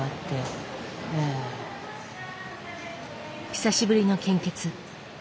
久しぶりの献血。